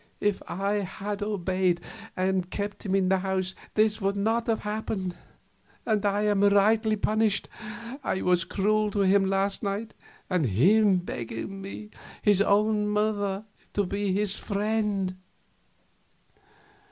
If I had obeyed, and kept him in the house, this would not have happened. And I am rightly punished; I was cruel to him last night, and him begging me, his own mother, to be his friend."